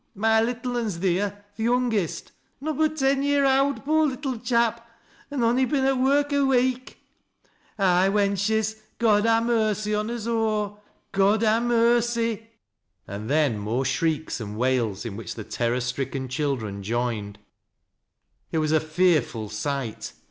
" My little un's theer — th' youngest — nobbut ten year owd— nobbut ten year owd, poor little chap I an' ony been it Work a week I " "Ay, wenches, God ha' mercy on us aw' — God ha' mercy 1 " And then more shrieks and wails in which the terror Btricken children joined. It was a fearful sight.